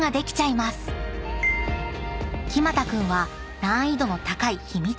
［木全君は難易度の高い］